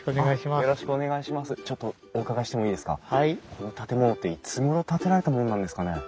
この建物っていつごろ建てられたものなんですかね？